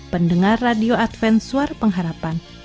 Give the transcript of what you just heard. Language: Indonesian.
pendengar radio advent suara pengharapan